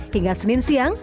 hingga senin siang